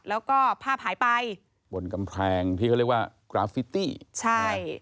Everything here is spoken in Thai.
แล้วก็ภาพหายไปบนกำแพงที่เขาเรียกว่ากราฟฟิตี้ใช่